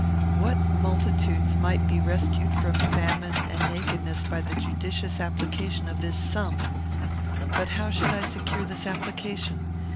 What multitudes might be rescued from famine and nakedness by the judicious application of this sum! But how should I secure this application?